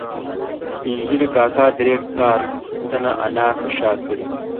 سپین ږیري کاکا درې کارتنه انار په شا کړي